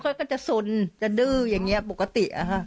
ก็จะสนจะดื้ออย่างนี้ปกติ